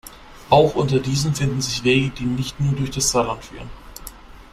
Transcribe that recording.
Auch unter diesen finden sich Wege, die nicht nur durch das Saarland führen.